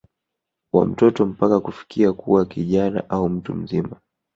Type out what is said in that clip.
wa mtoto mpaka kufikia kuwa kijana au Mtu mzima